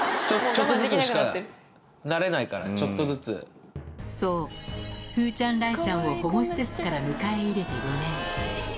ちょっとずつしか慣れないかそう、風ちゃん、雷ちゃんを保護施設から迎え入れて４年。